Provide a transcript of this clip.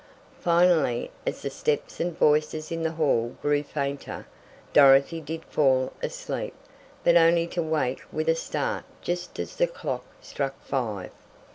Finally, as the steps and voices in the hall grew fainter, Dorothy did fall asleep, but only to wake with a start just as the clock struck five.